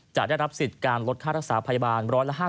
จะได้รับสิทธิ์การลดค่ารักษาพยาบาล๑๕๐